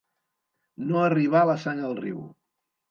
No arribar la sang al riu.